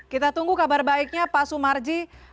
kita tunggu kabar baiknya pak sumarji